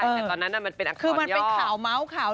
แต่ตอนนั้นมันเป็นอาการคือมันเป็นข่าวเมาส์ข่าว